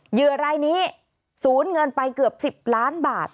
เหยื่อรายนี้สูญเงินไปเกือบ๑๐ล้านบาท